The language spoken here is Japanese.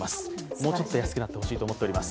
もうちょっと安くなってほしいと思っております。